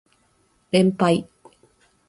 連敗